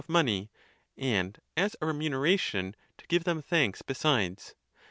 of money, and, as a remuneration, to give them thanks besides.!